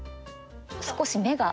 少し目が。